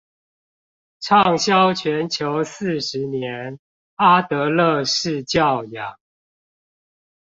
暢銷全球四十年阿德勒式教養